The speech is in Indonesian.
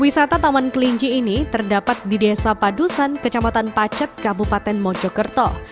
wisata taman kelinci ini terdapat di desa padusan kecamatan pacet kabupaten mojokerto